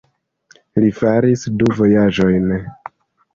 Li faris du vojaĝojn.